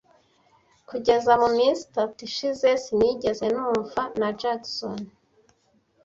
Kugeza muminsi itatu ishize, sinigeze numva na Jackson.